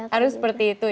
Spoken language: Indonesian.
harus seperti itu ya